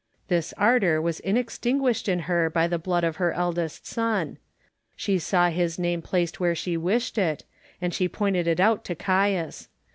This ardour was inextinguished in her by the blood of her eldest son. She saw his name placed where she wished it ; 324 IMAGINARY CONVERSATIONS. and she pointed it out to Caius.